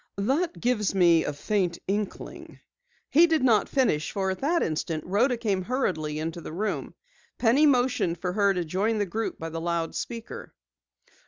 "That gives me a faint inkling " He did not finish, for at that instant Rhoda came hurriedly into the room. Penny motioned for her to join the group by the loudspeaker.